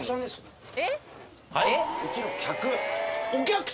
うちの客。